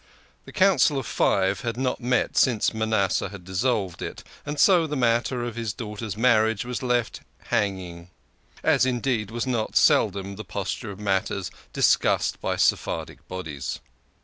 The Council of Five had not met since Manasseh had dissolved it, and so the matter of his daugh ter's marriage was left hanging, as indeed was not seldom the posture of matters discussed by Sephardic bodies.